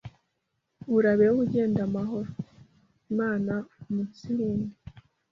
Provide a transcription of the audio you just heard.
urabeho, ugende amahoro, Imana iumunsirinde